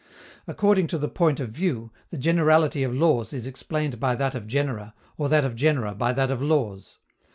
According to the point of view, the generality of laws is explained by that of genera, or that of genera by that of laws.